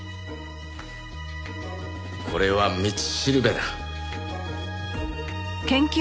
これは道しるべだ。